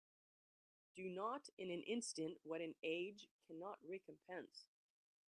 Do not in an instant what an age cannot recompense.